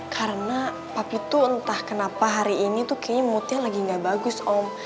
karena papi tuh entah kenapa hari ini tuh kayaknya moodnya lagi gak bagus om